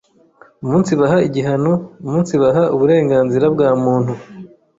umunsibaha igihango Umunsibaha uburenganzira bwa muntu